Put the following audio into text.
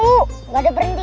nggak ada berhenti